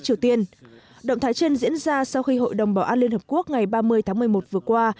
triều tiên động thái trên diễn ra sau khi hội đồng bảo an liên hợp quốc ngày ba mươi tháng một mươi một vừa qua